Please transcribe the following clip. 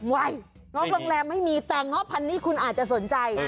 เงาะโรงแรมไม่มีแต่ง้อพันนี้คุณอาจจะสนใจ